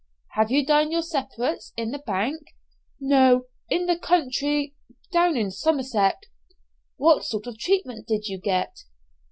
"Have you done your separates in the 'bank?" "No; in the country down in Somerset." "What sort of treatment did you get?"